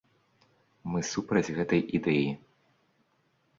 Мы супраць гэтай ідэі.